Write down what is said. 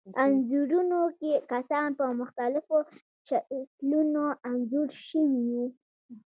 انځورونو کې کسان په مختلفو شکلونو انځور شوي وو.